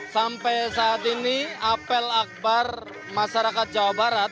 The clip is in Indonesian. sampai saat ini apel akbar masyarakat jawa barat